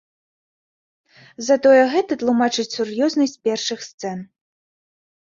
Затое гэта тлумачыць сур'ёзнасць першых сцэн.